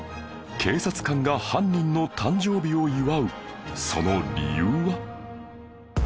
警察官が犯人の誕生日を祝うその理由は？